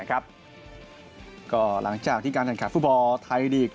ก็หลังจากที่การแข่งขันฟุตบอลไทยลีก